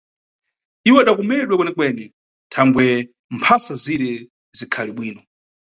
Iwo adakomedwa kwenekwene thangwe mphasa zire zikhali bwino.